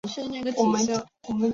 马尔库。